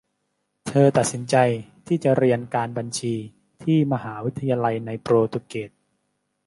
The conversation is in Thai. เธอตัดสินใจที่จะเรียนการบัญชีที่มหาวิทยาลัยในโปรตุเกส